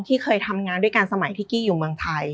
ที่เคยทำงานด้วยกันสมัยที่กี้อยู่เมืองไทย